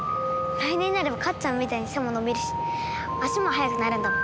来年になればかっちゃんみたいに背も伸びるし足も速くなるんだもん。